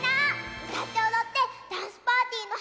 うたっておどってダンスパーティーのはじまりだよ！